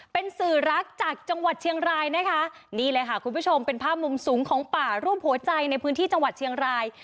เป็นสื่อรักจากจังหวัดเชียงรายนะคะนี่เลยค่ะคุณผู้ชมเป็นภาพมุมสูงของป่ารูปหัวใจในพื้นที่จังหวัดเชียงราย